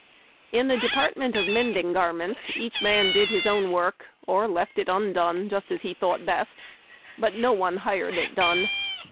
In the department of mending garments each man did his own work, or left it undone, just as he thought best ; but no one hired it done.